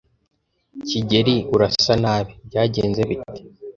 kigeli, urasa nabi. Byagenze bite?